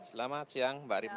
selamat siang mbak rima